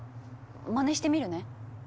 まねしてみるね。